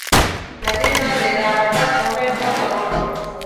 له دې ځایه د عرفات غونډۍ خوا ته لاړو.